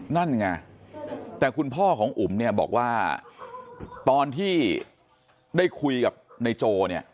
นั่นไงแต่คุณพ่อของอุ่มบอกว่าตอนที่ได้คุยกับในโจ